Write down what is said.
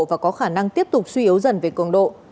và có khả năng tiếp tục suy yếu dần về cường độ